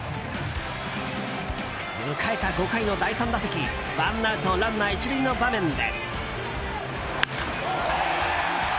迎えた５回の第３打席ワンアウトランナー１塁の場面で。